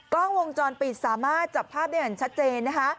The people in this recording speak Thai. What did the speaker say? กล้องวงจรปิดสามารถจับภาพได้ชัดเจน